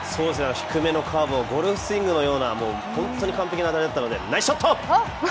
低めのカーブをゴルフスイングのような本当に完璧なあたりだったのでナイスショット！